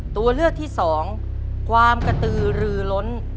ตัวเลือกที่สองความกระตือรือล้น